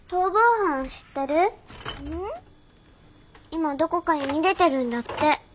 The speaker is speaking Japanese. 今どこかに逃げてるんだって。